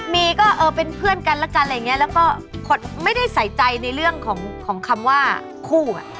มีก็เป็นเพื่อนกันแล้วก็ไม่ได้สายใจในเรื่องของคำว่าคู่